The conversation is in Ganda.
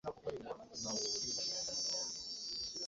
Nabadde njagala kugenda enkoko enjeru nayise mu kayaza.